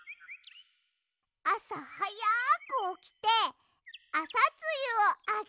あさはやくおきてアサツユをあげるの。